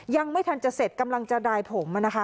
ยังไม่ทันจะเสร็จกำลังจะดายผมนะคะ